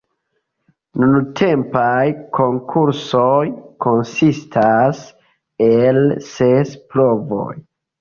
Nuntempaj konkursoj konsistas el ses provoj.